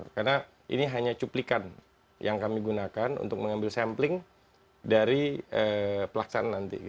karena ini hanya cuplikan yang kami gunakan untuk mengambil sampling dari pelaksanaan nanti